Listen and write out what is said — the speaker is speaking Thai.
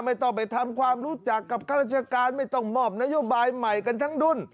ไม่ต้องไปทำความรู้จักกับข้าราชการไม่ต้องมอบนโยบายใหม่กันทั้งดุ้น